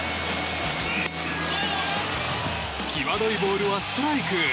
際どいボールはストライク。